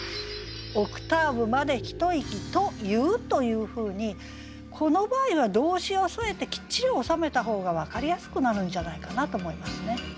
「『オクターブまでひと息』と言う」というふうにこの場合は動詞を添えてきっちり収めた方が分かりやすくなるんじゃないかなと思いますね。